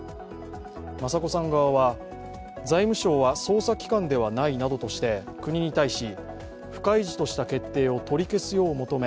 雅子さん側は財務省は捜査機関ではないとして、国に対し、不開示とした決定を取り消すよう求め